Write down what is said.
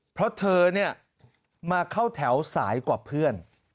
เพราะเธอเนี่ยมาเข้าแถวสายกว่าเพื่อน